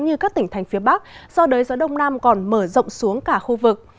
như các tỉnh thành phía bắc do đới gió đông nam còn mở rộng xuống cả khu vực